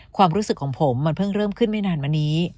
ความรู้สึกของผมมันเพิ่งเริ่มขึ้นไม่นานมานี้